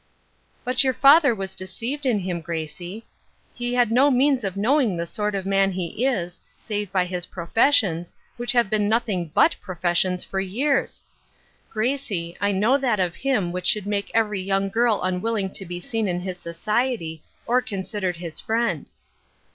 " But your father was deceived in him, Gracie ; lie had no means of knowing the sort of man he is, save by his professions, which have been noth ing hut professions for years. Gracie, I know that of him which should make every young girl unwilling to be seen in his society or considered his friend."